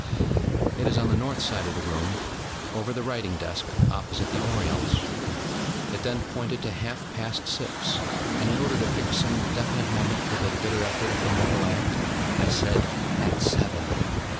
It is on the north side of the room, over the writing desk opposite the oriels. It then pointed to half past six, and in order to fix some definite moment for the bitter effort of the mortal act, I said: 'At Seven.'